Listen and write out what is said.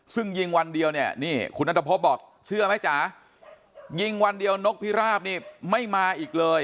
ซึ่งยิงวันเดียวเนี่ยนี่คุณนัทพบบอกเชื่อไหมจ๋ายิงวันเดียวนกพิราบนี่ไม่มาอีกเลย